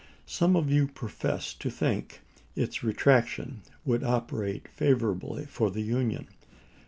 Some of you profess to think its retraction would operate favorably for the Union.